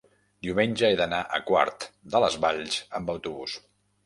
Diumenge he d'anar a Quart de les Valls amb autobús.